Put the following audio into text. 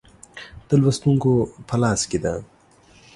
د لوستونکو په لاس کې ده.